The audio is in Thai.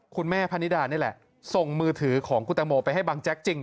คุณแม่พนิดานี่แหละส่งมือถือของคุณตังโมไปให้บังแจ๊กจริง